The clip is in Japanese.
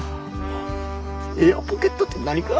エアポケットって何か？